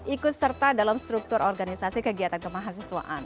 ikut serta dalam struktur organisasi kegiatan kemahasiswaan